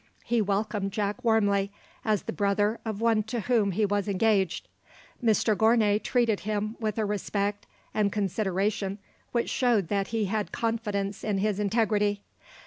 He welcomed Jack warmly, as the brother of one to whom he was engaged. Mr Gournay treated him with a respect and consideration which showed that he had confidence in his integrity.